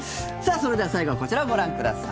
それでは最後はこちらをご覧ください。